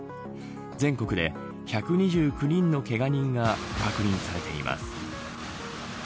全国で１２９人のけが人が確認されています。